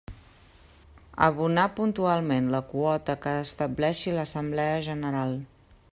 Abonar puntualment la quota que estableixi l'Assemblea General.